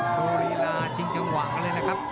โชว์ลีลาชิงจังหวะเลยนะครับ